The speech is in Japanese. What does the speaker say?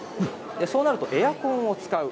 そうなるとエアコンを使う。